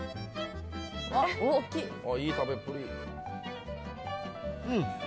いい食べっぷり。